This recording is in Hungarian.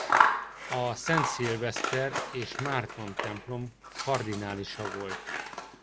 A Szent Szilveszter és Márton-templom kardinálisa volt.